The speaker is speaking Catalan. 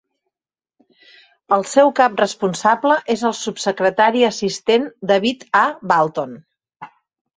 El seu cap responsable és el subsecretari assistent David A. Balton.